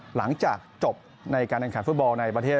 หลังจากจบในการแข่งขันฟุตบอลในประเทศ